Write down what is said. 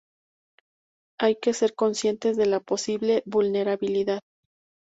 hay que ser conscientes de la posible vulnerabilidad